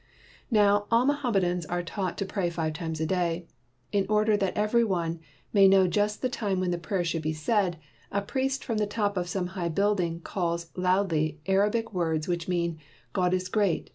Now all Mohammedans are taught to pray five times a day. In order that every one may know just the time when the prayers should he said, a priest from the top of some high building calls loudly Arabic words, which mean "God is great.